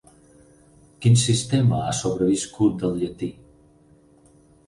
Quin sistema ha sobreviscut del llatí?